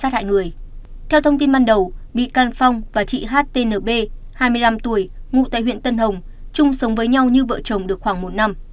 theo thông tin ban đầu bị can phong và chị htnb hai mươi năm tuổi ngụ tại huyện tân hồng chung sống với nhau như vợ chồng được khoảng một năm